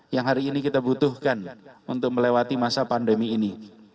yang hari ini kita butuhkan untuk melewati masa pandemi ini